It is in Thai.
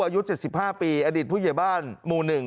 อายุ๗๕ปีอดิตผู้เกียรติบ้านมูลหนึ่ง